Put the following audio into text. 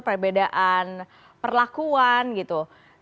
perbedaan perlakuan gitu